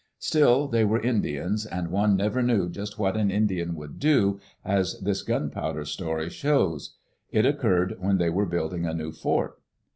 Still, they were Indians, and one never knew just what an Indian would do, as this gunpowder story shows. It occurred when they were building a new fort.